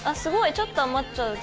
ちょっと余っちゃうけど。